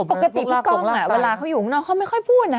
ปกติพี่ก้องเวลาเขาอยู่ข้างนอกเขาไม่ค่อยพูดนะ